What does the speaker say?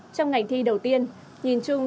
trong ngành thi đầu tiên nhìn chung